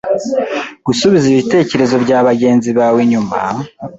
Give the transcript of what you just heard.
gusubiza ibitekerezo bya bagenzi bawe inyuma